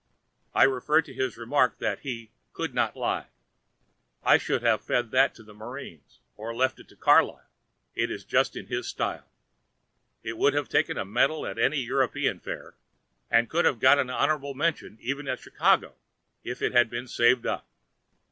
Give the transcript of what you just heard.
I refer to his remark that he 'could not lie.' I should have fed that to the marines; or left it to Carlyle; it is just in his style. It would have taken a medal at any European fair, and would have got an honourable mention even at Chicago if it had been saved up.